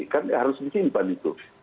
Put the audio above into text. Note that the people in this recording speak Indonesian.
kan harus disimpan itu